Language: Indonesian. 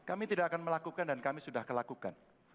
kami tidak akan melakukan dan kami sudah kelakukan